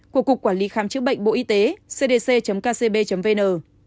của cục quản lý khám chữa bệnh bộ y tế cdc kcb vn